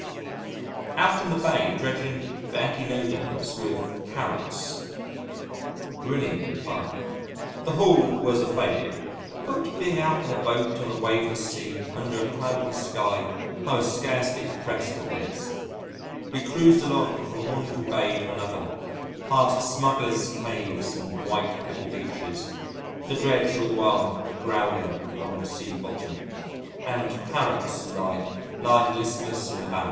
Out in the Bay dredging for Echinoderms with "Carrots." Brilliantly fine. The haul was a failure, but, being out in a boat on a waveless sea under a cloudless sky, I was scarcely depressed at this! We cruised along from one little bay to another, past smugglers' caves and white pebble beaches, the dredge all the while growling along the sea bottom, and "Carrots" and I lying listless in the bows.